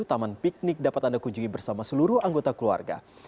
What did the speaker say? taman piknik dapat anda kunjungi bersama seluruh anggota keluarga